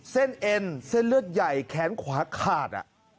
เอ็นเส้นเลือดใหญ่แขนขวาขาด